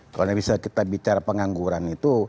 kalau bisa kita bicara pengangguran itu